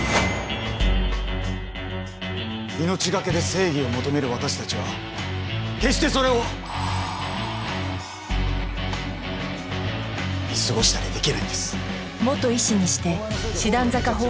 命懸けで正義を求める私たちは決してそれを見過ごしたりできないんです。